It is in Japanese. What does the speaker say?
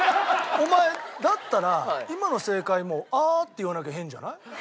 お前だったら今の正解も「ああ」って言わなきゃ変じゃない？